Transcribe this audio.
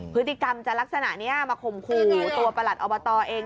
พฤติกรรมจะลักษณะนี้มาข่มขู่ตัวประหลัดอบตเอง